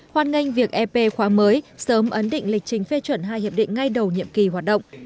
hoan nghênh việc ep khoa mới sớm ấn định lịch trình phê chuẩn hai hiệp định ngay đầu nhiệm kỳ hoạt động